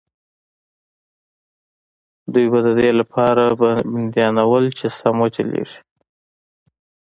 دوی به د دې لپاره بندیانول چې سم وچلېږي.